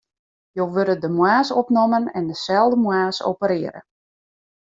Jo wurde de moarns opnommen en deselde moarns operearre.